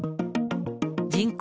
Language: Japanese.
人口